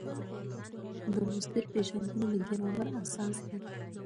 د مصدر پېژندنه د ګرامر اساس دئ.